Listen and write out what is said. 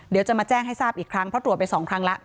เดี๋ยวจะมาแจ้งให้ทราบอีกครั้งเพราะตรวจไป๒ครั้งแล้ว